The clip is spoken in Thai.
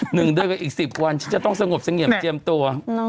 หนึ่งเดือนกับอีกสิบวันฉันจะต้องสงบเสงี่ยมเจียมตัว